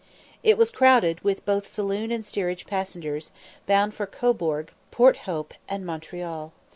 It was crowded with both saloon and steerage passengers, bound for Cobourg, Port Hope, and Montreal.